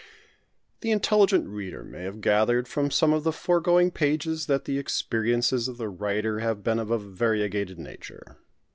The intelligent reader may have gathered from some of the foregoing pages that the experiences of the writer have been of a variegated nature.